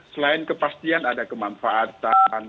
selain kepastian ada kemanfaatan